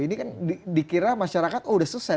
ini kan dikira masyarakat oh sudah selesai